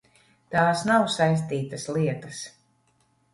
Tās nav saistītas lietas.